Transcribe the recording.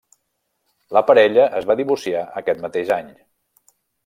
La parella es va divorciar aquest mateix any.